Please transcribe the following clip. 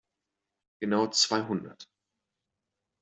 Genau zweihundert.